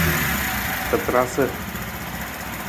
Atatarasa.